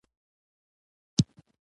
باد ځینې وخت لمر پټوي